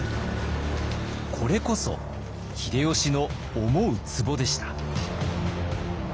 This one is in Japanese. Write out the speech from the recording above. これこそ秀吉の思うつぼでした。